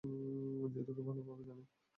যে তোকে ভালোভাবে জানে।